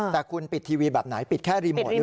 แต่คุณปิดทีวีแบบไหนปิดแค่รีโมท